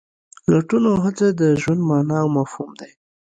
لټون او هڅه د ژوند مانا او مفهوم دی.